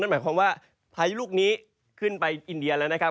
หมายความว่าพายุลูกนี้ขึ้นไปอินเดียแล้วนะครับ